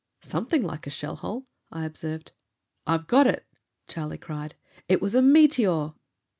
"Something like a shell hole," I observed. "I've got it!" Charlie cried. "It was a meteor!"